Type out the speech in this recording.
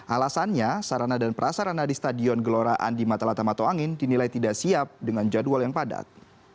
alasannya sarana dan prasarana di stadion gelora andi matalatamato angin dinilai tidak siap dengan jadwal yang padat